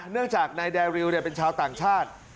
เนื่องจากนายแดริวเป็นชาวต่างชาติ